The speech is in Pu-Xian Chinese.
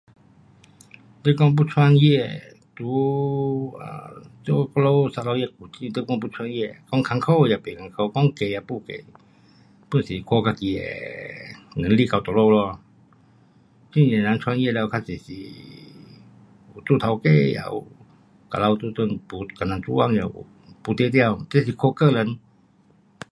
你讲要创业，在啊，在我们砂朥越古晋你讲要创业，讲困苦也不困苦，讲易也不易，pun 是看自己的能力到哪里咯，很多人创业了较多是有做 taukei，也有 kalau 这阵，跟人做工也有，不一定，这是看个人。